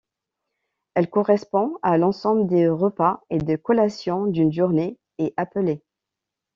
Elle correspond à l'ensemble des repas et des collations d'une journée est appelé.